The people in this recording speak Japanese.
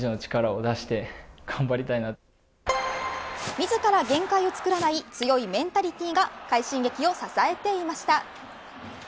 自ら限界を作らない強いメンタリティーが快進撃を支えていました。